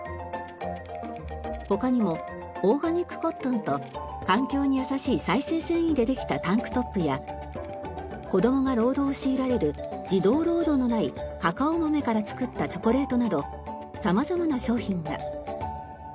他にもオーガニックコットンと環境にやさしい再生繊維でできたタンクトップや子供が労働を強いられる児童労働のないカカオ豆から作ったチョコレートなど様々な商品が。